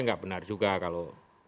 enggak benar juga kalau